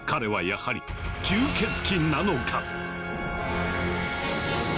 やはり吸血鬼なのか⁉